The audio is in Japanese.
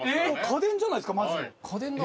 「家電じゃないですかマジで」